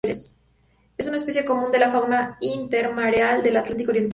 Es una especie común de la fauna intermareal del Atlántico Oriental.